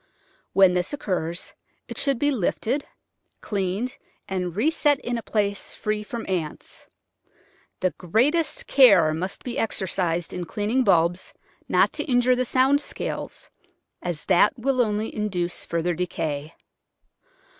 When this occurs it should be lifted, cleaned, and reset in a place free from ants. The greatest care must be exercised in cleaning bulbs not to injure the sound scales, as that will only induce further decay.